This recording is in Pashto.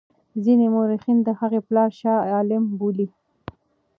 ځیني مورخین د هغه پلار شاه عالم بولي.